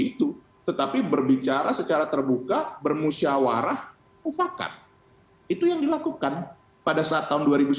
itu tetapi berbicara secara terbuka bermusyawarah mufakat itu yang dilakukan pada saat tahun dua ribu sembilan belas